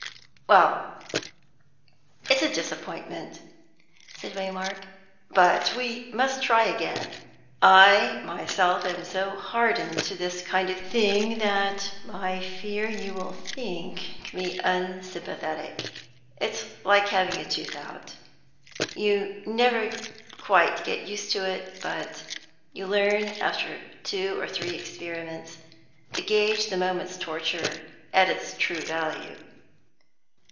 "Well, it's a disappointment," said Waymark, "but we must try again. I myself am so hardened to this kind of thing that I fear you will think me unsympathetic. It's like having a tooth out. You never quite get used to it, but you learn after two or three experiments to gauge the moment's torture at its true value.